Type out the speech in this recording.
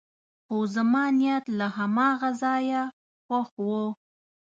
خو زما نیت له هماغه ځایه پخ و.